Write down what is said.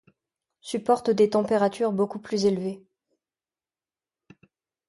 supporte des températures beaucoup plus élevées.